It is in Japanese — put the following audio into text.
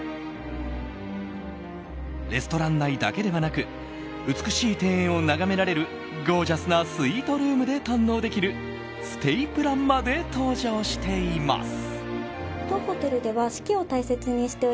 レストラン内だけではなく美しい庭園を眺められるゴージャスなスイートルームで堪能できるステイプランまで登場しています。